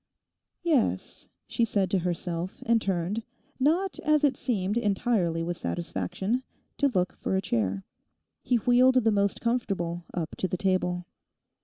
'Yes,' she said to herself, and turned, not as it seemed entirely with satisfaction, to look for a chair. He wheeled the most comfortable up to the table.